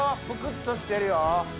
ぷくっとしてるよ！